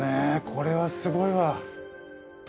これはすごいわ。